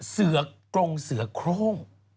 เสือกรงเสือโครง